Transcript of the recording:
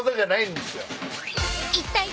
［いったい］